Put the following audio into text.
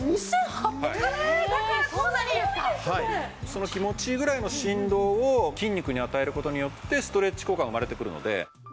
その気持ちいいぐらいの振動を筋肉に与える事によってストレッチ効果が生まれてくるので。